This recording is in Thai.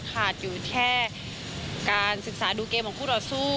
ขาดอยู่แค่การศึกษาดูเกมของคู่ต่อสู้